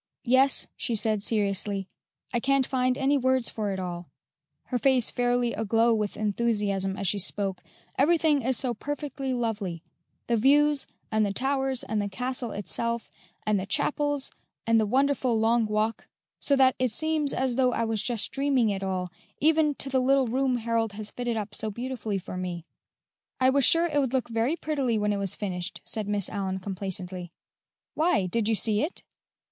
"Yes," she said seriously; "I can't find any words for it all" her face fairly aglow with enthusiasm as she spoke "everything is so perfectly lovely: the views, and the towers, and the castle itself, and the chapels, and the wonderful Long Walk, so that it seems as though I was just dreaming it all, even to the little room Harold has fitted up so beautifully for me." "I was sure it would look very prettily when it was finished," said Miss Allyn complacently. "Why, did you see it?"